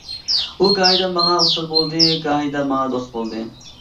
ئۇ گاھىدا ماڭا ئۇستاز بولدى، گاھىدا ماڭا دوست بولدى.